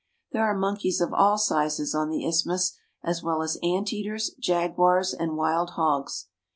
There are monkeys of all sizes on the isthmus, as well as ant eaters, jaguars, and wild hogs.